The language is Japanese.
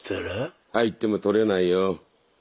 入っても盗れないよ。